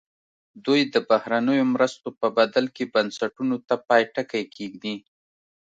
دوی د بهرنیو مرستو په بدل کې بنسټونو ته پای ټکی کېږدي.